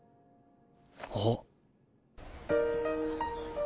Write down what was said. あっ。